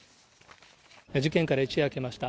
事件から一夜明けました。